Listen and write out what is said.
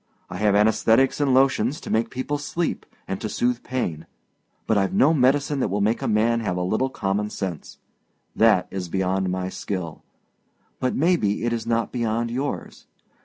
I have anaesthetics and lotions, to make people sleep and to soothe pain; but Iâve no medicine that will make a man have a little common sense. That is beyond my skill, but maybe it is not beyond yours.